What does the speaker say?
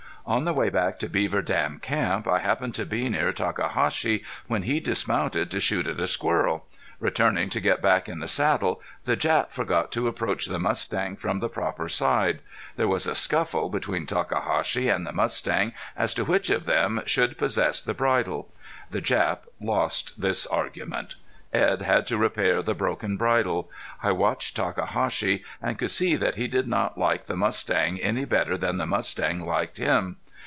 On the way back to Beaver Dam camp I happened to be near Takahashi when he dismounted to shoot at a squirrel. Returning to get back in the saddle the Jap forgot to approach the mustang from the proper side. There was a scuffle between Takahashi and the mustang as to which of them should possess the bridle. The Jap lost this argument. Edd had to repair the broken bridle. I watched Takahashi and could see that he did not like the mustang any better than the mustang liked him.